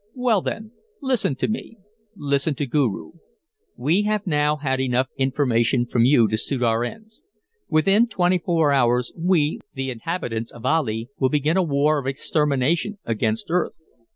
"Well, then, listen to me, listen to Guru. We have now had enough information from you to suit our ends. Within twenty four hours, we, the inhabitants of Ahli, will begin a war of extermination against Earth...."